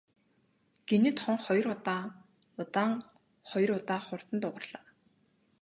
Гэнэт хонх хоёр удаа удаан, хоёр удаа хурдан дуугарлаа.